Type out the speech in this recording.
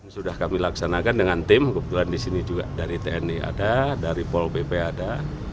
sudah kami laksanakan dengan tim kebetulan di sini juga dari tni ada dari pol pp ada